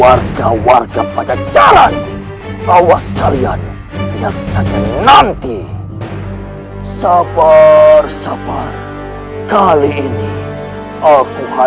aku dengan baju seperti itu